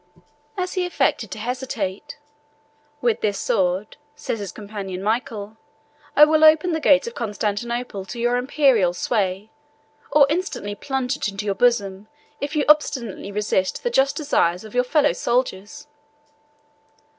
As he affected to hesitate, "With this sword," said his companion Michael, "I will open the gates of Constantinople to your Imperial sway; or instantly plunge it into your bosom, if you obstinately resist the just desires of your fellow soldiers."